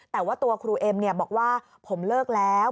แต่ว่าตัวครูเอ็มบอกว่าผมเลิกแล้ว